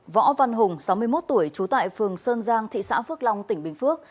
võ văn hùng sáu mươi một tuổi trú tại phường sơn giang thị xã phước long tỉnh bình phước